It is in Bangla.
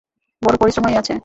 বড়ো পরিশ্রম হইয়াছে।